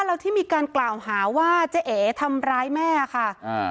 แล้วที่มีการกล่าวหาว่าเจ๊เอ๋ทำร้ายแม่ค่ะอ่า